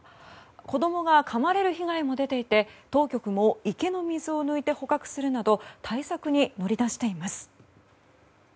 子供がかまれる被害も出ていて当局も池の水を抜いて捕獲するなど対策に乗り出しています。